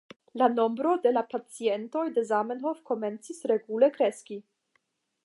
La nombro de la pacientoj de Zamenhof komencis regule kreski.